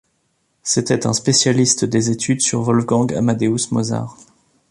C'était un spécialiste des études sur Wolfgang Amadeus Mozart.